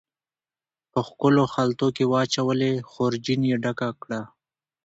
په ښکلو خلطو کې واچولې، خورجین یې ډکه کړه